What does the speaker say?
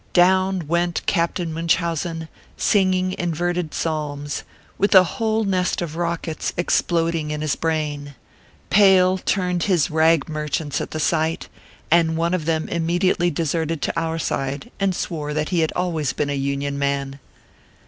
Down went Captain Munchausen singing inverted psalms, with a whole nest of rockets exploding in his brain. Pale turned his rag merchants at the sight, and one of them immediately deserted to our side and swore that he had always been a Union man.